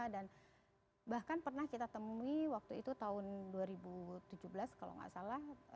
dan bahkan pernah kita temui waktu itu tahun dua ribu tujuh belas kalau tidak salah